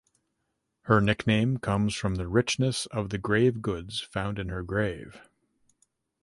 Her nickname comes from the richness of the grave goods found in her grave.